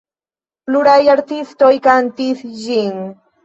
Pluraj artistoj kantis ĝin.